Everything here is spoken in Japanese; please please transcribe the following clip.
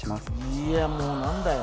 いやもう何だよ